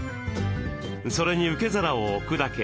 それに受け皿を置くだけ。